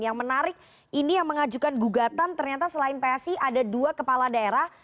yang menarik ini yang mengajukan gugatan ternyata selain psi ada dua kepala daerah